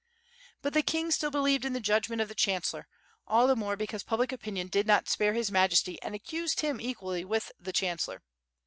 But the king still believed in the judgment of the chan cellor, all the more because public opinion did not spare His Majesty and accused him equally with the chancellor.